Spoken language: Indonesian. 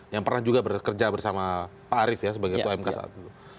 yang pernah juga bekerja bersama pak arief sebagai umk saat itu